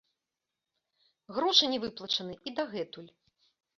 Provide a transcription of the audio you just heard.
Грошы не выплачаныя і дагэтуль.